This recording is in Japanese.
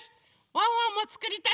ワンワンもつくりたいです。